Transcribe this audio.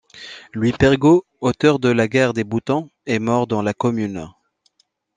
Louis Pergaud, auteur de La Guerre des boutons, est mort dans la commune.